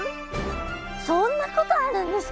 そんなことあるんですか？